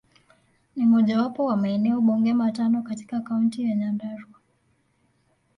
Ni mojawapo wa maeneo bunge matano katika Kaunti ya Nyandarua.